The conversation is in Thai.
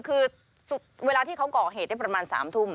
คือเวลาที่เขาก่อเหตุได้ประมาณ๓ทุ่ม